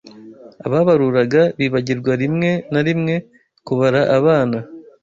ababaruraga bibagirwaga rimwe na rimwe kubara abana,